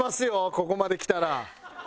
ここまできたら。